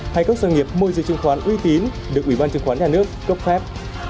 hay các doanh nghiệp môi giới chứng khoán uy tín được ủy ban chứng khoán nhà nước cấp phép